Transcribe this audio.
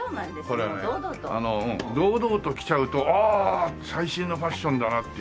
これ堂々と着ちゃうとああ最新のファッションだなっていうね。